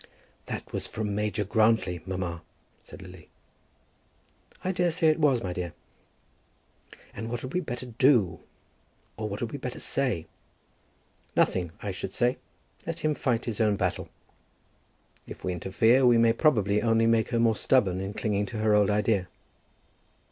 "That was from Major Grantly, mamma," said Lily. "I daresay it was, my dear." "And what had we better do; or what had we better say?" "Nothing, I should say. Let him fight his own battle. If we interfere, we may probably only make her more stubborn in clinging to her old idea."